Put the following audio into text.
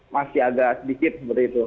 masih agak sedikit seperti itu